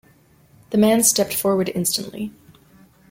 The man stepped forward instantly.